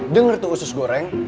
dengar tuh usus goreng